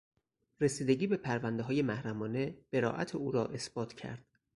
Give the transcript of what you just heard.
رسیدگی به پروندههای محرمانه برائت او را اثبات کرد.